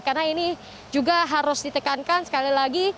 karena ini juga harus ditekankan sekali lagi